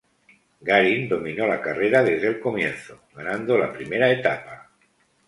Garin dominó la carrera desde el comienzo, ganando la primera etapa.